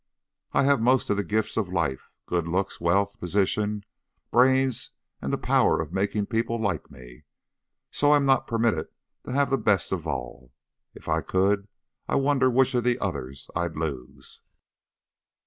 "I have most of the gifts of life, good looks, wealth, position, brains, and the power of making people like me. So I am not permitted to have the best of all. If I could, I wonder which of the others I'd lose.